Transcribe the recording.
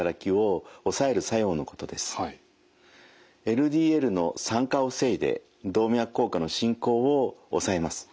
ＬＤＬの酸化を防いで動脈硬化の進行を抑えます。